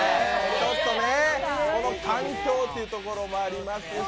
この環境というところもありますし。